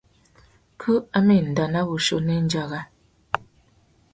Kú a má enda nà wuchiô nà andjara.